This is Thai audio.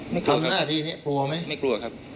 ทำหน้าที่นี้กลัวไหมไม่กลัวครับ